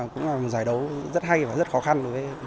cũng là một giải đấu rất hay và rất khó khăn